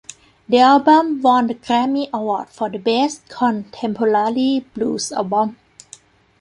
The album won the Grammy Award for Best Contemporary Blues Album.